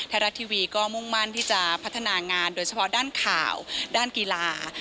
ไทยรัฐทีวีก็มุ่งมั่นที่จะพัฒนางานโดยเฉพาะด้านข่าวด้านกีฬา